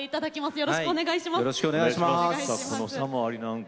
よろしくお願いします。